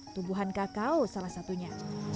tumbuhan kakao salah satunya